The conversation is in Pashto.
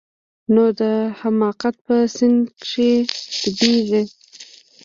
نو د حماقت په سيند کښې ډوبېږي.